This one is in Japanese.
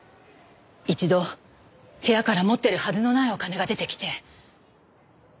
一度部屋から持ってるはずのないお金が出てきて。